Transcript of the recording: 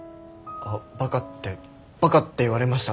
あっバカってバカって言われました。